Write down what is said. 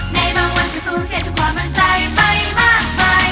ในบางวันก็สูงเสียทุกความมั่นใจใบบ้าใบ